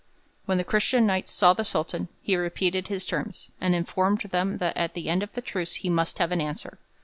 When the Christian Knights saw the Sultan, he repeated his terms, and informed them that at the end of the truce he must have an answer.